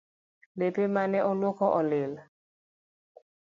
Lepe mane oluoki olil